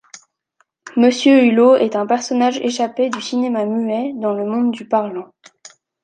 Monsieur Hulot est un personnage échappé du cinéma muet dans le monde du parlant.